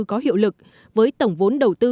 có hiệu lực với tổng vốn đầu tư